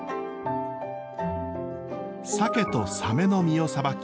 サケとサメの身をさばき